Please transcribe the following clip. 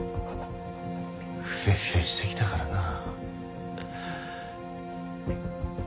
不摂生してきたからな。